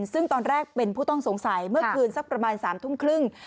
ซึ่งตอนแรกเป็นผู้ต้องสงสัยเมื่อคืนสักประมาณ๓ทุ่มครึ่ง